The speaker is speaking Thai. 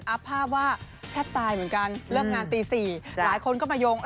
ภาพว่าแทบตายเหมือนกันเลิกงานตี๔หลายคนก็มาโยง